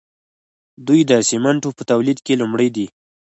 دوی د سیمنټو په تولید کې لومړی دي.